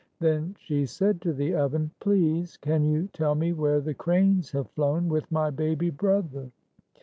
Then she said to the oven, " Please, can you tell me where the cranes have flown with my baby brother?"